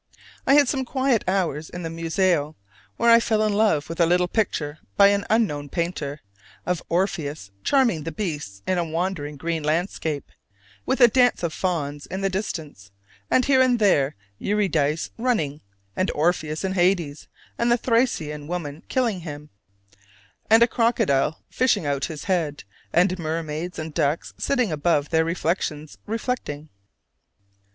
I had some quiet hours in the Museo, where I fell in love with a little picture by an unknown painter, of Orpheus charming the beasts in a wandering green landscape, with a dance of fauns in the distance, and here and there Eurydice running; and Orpheus in Hades, and the Thracian women killing him, and a crocodile fishing out his head, and mermaids and ducks sitting above their reflections reflecting.